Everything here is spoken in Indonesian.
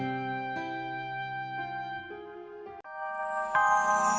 ya pak pak pakinya hilang betul